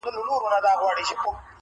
امر دی د پاک یزدان ګوره چي لا څه کیږي-